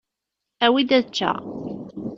Awi-d ad eččeɣ!